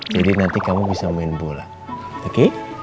jadi nanti kamu bisa main bola oke